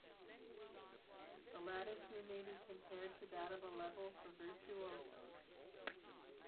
The latter two may be compared to that of a level for virtuosos.